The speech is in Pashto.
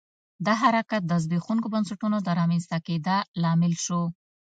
دا حرکت د زبېښونکو بنسټونو د رامنځته کېدا لامل شو.